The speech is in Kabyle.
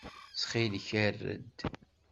Ttxil-k err-d.